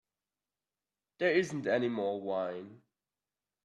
There isn't any more wine.